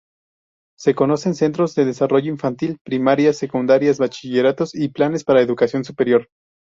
Se conocen centros de desarrollo infantil, primarias, secundarias, bachilleratos y planes para educación superior.